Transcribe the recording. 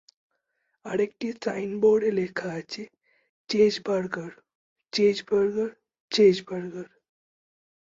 আরেকটি সাইনবোর্ডে লেখা আছে: চেজবার্গার, চেজবার্গার, চেজবার্গার।